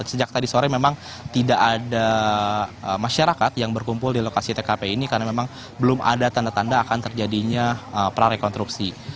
sejak tadi sore memang tidak ada masyarakat yang berkumpul di lokasi tkp ini karena memang belum ada tanda tanda akan terjadinya prarekonstruksi